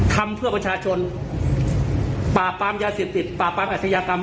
ทำเพื่อประชาชนปราบปรามยาเสพติดปราบปรามอาชญากรรม